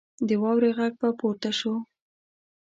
د واورې غږ به پورته شو.